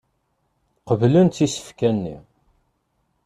Qeblent isefka-nni.